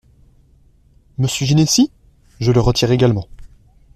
Monsieur Ginesy ? Je le retire également.